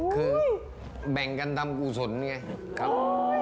คือแบ่งกันทำกุศลไงครับ